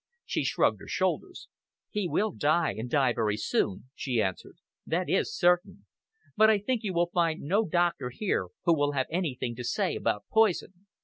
She shrugged her shoulders. "He will die, and die very soon," she answered. "That is certain. But I think you will find no doctor here who will have anything to say about poison."